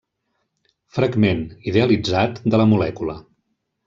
Fragment, idealitzat, de la molècula.